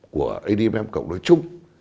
của adm đối chung